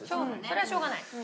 それはしょうがない。